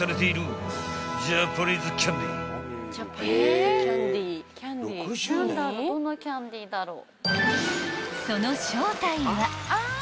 どのキャンディーだろ？